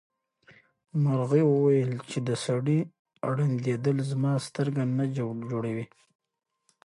مرغۍ وویل چې د سړي ړندېدل زما سترګه نه جوړوي.